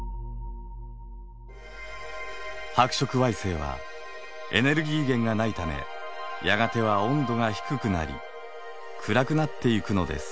白色矮星はエネルギー源がないためやがては温度が低くなり暗くなっていくのです。